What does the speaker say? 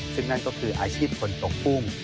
ซึ่งนั่นก็คืออาชีพคนตกกุ้ง